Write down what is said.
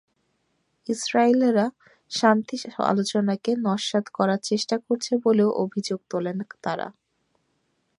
ইসরায়েলিরা শান্তি আলোচনাকে নস্যাৎ করার চেষ্টা করছে বলেও অভিযোগ তোলেন তাঁরা।